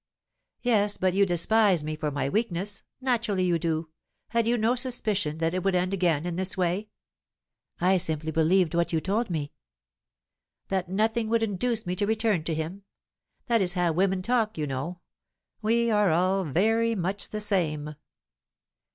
"Yes, but you despise me for my weakness, naturally you do. Had you no suspicion that it would end again in this way?" "I simply believed what you told me." "That nothing would induce me to return to him. That is how women talk, you know. We are all very much the same."